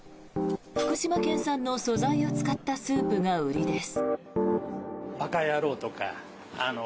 福島県産の素材を使ったスープが売りです。